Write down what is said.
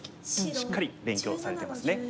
しっかり勉強されてますね。